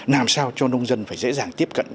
làm sao cho nông dân phải dễ dàng tiếp cận